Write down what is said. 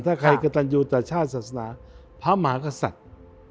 ถ้าใครกระตันยูต่อชาติศาสนาพระมหากษัตริย์